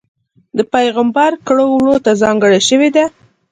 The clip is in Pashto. د پېغمبر کړو وړوته ځانګړې شوې ده.